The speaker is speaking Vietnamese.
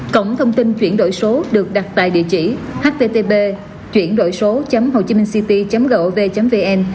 cổng thông tin chuyển đổi số được đặt tại địa chỉ http chuyển đổi số hcc gov vn